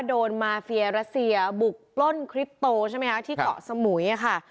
โดนมาเฟียรัสเซียบุกปล้นคลิปโตใช่ไหมคะที่เกาะสมุยค่ะ